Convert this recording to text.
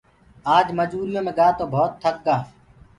اج مجوُريو مي گآ تو ڀوت ٿڪ گآ۔